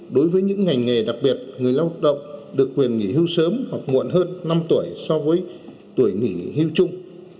đối với những ngành nghề đặc biệt người lao động được quyền nghỉ hưu sớm hoặc muộn hơn năm tuổi so với tuổi nghỉ hưu chung